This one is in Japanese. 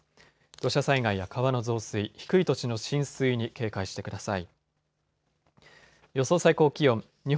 土砂災害や川の増水、低い土地の浸水に警戒してください。